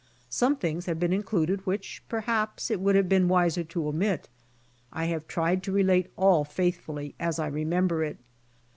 Some things have been included which, perhaps, it would have been wiser to omit. I have tried to relate all faithfully as I remember it.